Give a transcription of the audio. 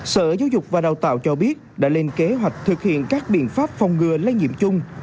sở giáo dục và đào tạo cho biết đã lên kế hoạch thực hiện các biện pháp phòng ngừa lây nhiễm chung